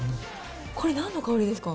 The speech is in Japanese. これなんの香りですか？